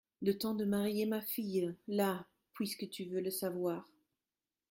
Le temps de marier ma fille… là… puisque tu veux le savoir.